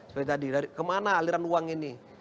seperti tadi dari kemana aliran uang ini